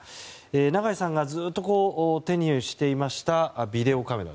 長井さんが、ずっと手にしていましたビデオカメラ